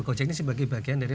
gojek ini sebagai bagian dari